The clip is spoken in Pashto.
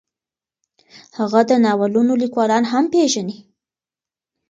هغه د ناولونو لیکوالان هم پېژني.